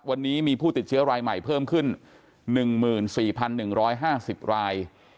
วันนี้มีผู้ติดเชื้อรายใหม่เพิ่มขึ้น๑๔๑๕๐ราย